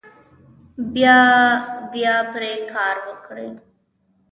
بیا بیا پرې کار وکړئ.